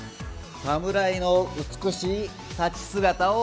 侍の美しい立ち姿を目指す。